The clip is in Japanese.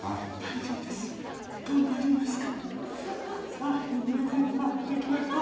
さあにぎやかにぱーっといきましょう。